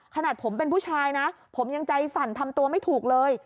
ขนาดผมเป็นผู้ชายนะผมยังใจสั่นทำตัวไม่ถูกเลย